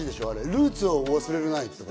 ルーツを忘れるなとか。